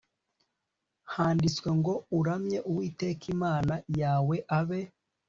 handitswe ngo uramye uwiteka imana yawe abe